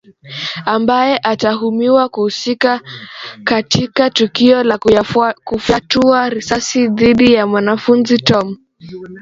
ambaye anatuhumiwa kuhusika katika tukio la kufyatua risasi dhidi ya mwanafunzi tom